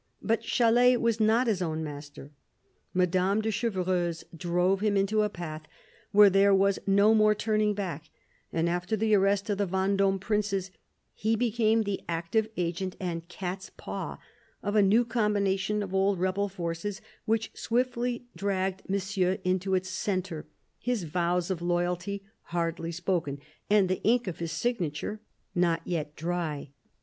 But Chalais was not his own master. Madame de Chevreuse drove him into a path where there was no more turning back, and after the arrest of the Vendome princes he became the active agent and cat's paw of a new combination of old rebel forces which swiftly dragged Monsieur into its centre, his vows of loyalty hardly spoken and the ink of his signature not yet dry.